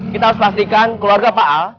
kita harus pastikan keluarga pak a